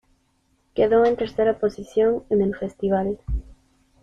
Quedó en tercera posición en el festival.